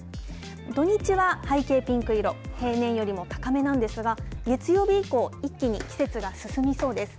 土日は背景ピンク色、平年よりも高めなんですが、月曜日以降、一気に季節が進みそうです。